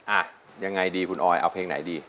อ่ะยังไงดีคุณออยเอาเพลงไหนดี